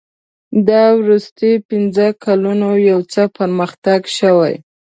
دا وروستي پنځه کلونه یو څه پرمختګ شوی.